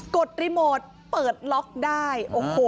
กดรีโมทเปิดล็อกได้